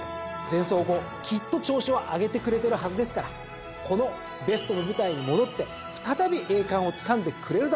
前走後きっと調子を上げてくれてるはずですからこのベストの舞台に戻って再び栄冠をつかんでくれるだろう。